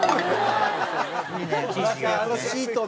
あのシートね。